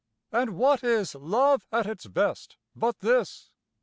And what is love at its best, but this?